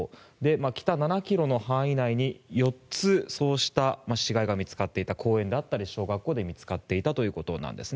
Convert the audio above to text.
北７ｋｍの範囲内に４つそうした死骸が見つかっていた公園であったり小学校で見つかっていたということです。